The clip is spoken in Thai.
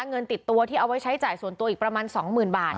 เงินติดตัวที่เอาไว้ใช้จ่ายส่วนตัวอีกประมาณ๒๐๐๐บาท